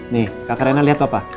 nih kakak renan liat papa